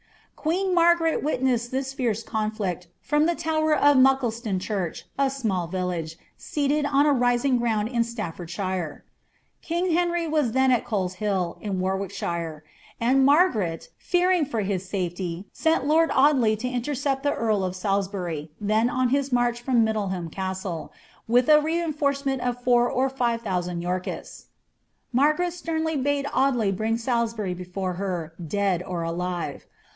Queen Marguet witnessed this fierce conflict from the lower of Muc clesion Church, a small village, seated on a rising ground in Slairord* ahtre. King Henry was then at Colesluli, in Warwickshire; atid Margaret, fearing for his safely, sent lord Audley lo miercepl llie earl of Salisbury, ihen on his mardi fiotn MidUleliain Caalle, wiili a reiuforce* meni of four or five thousand Yorkists. Margaret sternly bade Andley bring Salisbury before her, dead or alive.